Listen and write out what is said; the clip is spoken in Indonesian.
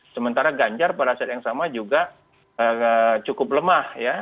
sementara ganjar pada saat yang sama juga cukup lemah ya